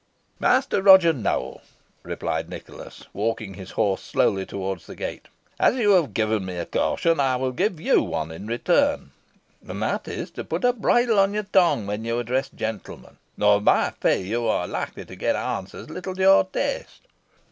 "Master Roger Nowell," replied Nicholas, walking his horse slowly towards the gate, "as you have given me a caution, I will give you one in return; and that is, to put a bridle on your tongue when you address gentlemen, or, by my fay, you are likely to get answers little to your taste.